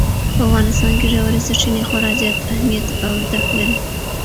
په افغانستان کې ژورې سرچینې خورا ډېر زیات اهمیت او ارزښت لري.